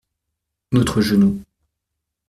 Notre genou.